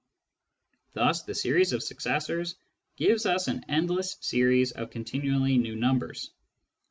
Thus the series of successors gives us an endless series of continually new numbers.